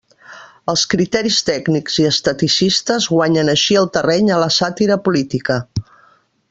Els criteris tècnics i esteticistes guanyen així el terreny a la sàtira política.